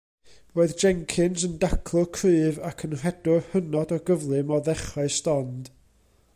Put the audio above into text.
Roedd Jenkins yn daclwr cryf ac yn rhedwr hynod o gyflym o ddechrau stond.